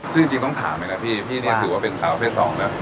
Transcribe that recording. ซึ่งจริงต้องถามไหมนะพี่พี่ถือว่าเป็นสาวแพทย์สองนะ